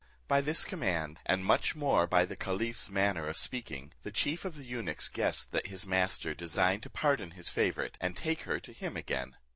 By this command, and much more by the caliph's manner of speaking, the chief of the eunuchs guessed that his master designed to pardon his favourite, and take her to him again.